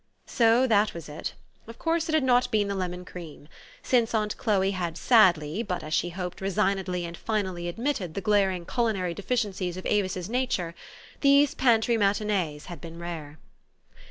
So that was it. Of course it had not been the lemon cream. Since aunt Chloe had sadly, but, as she hoped, resignedly and finally admitted the glaring culinary deficiencies of Avis' s nature, these pantry matinees had been rare.